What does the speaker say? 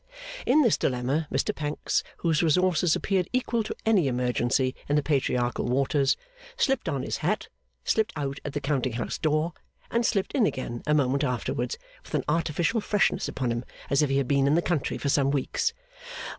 In this dilemma, Mr Pancks, whose resources appeared equal to any emergency in the Patriarchal waters, slipped on his hat, slipped out at the counting house door, and slipped in again a moment afterwards with an artificial freshness upon him, as if he had been in the country for some weeks.